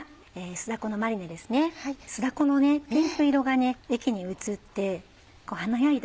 酢だこのピンク色が液に移って華やいだ